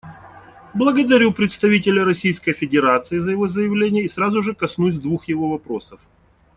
Благодарю представителя Российской Федерации за его заявление и сразу же коснусь двух его вопросов.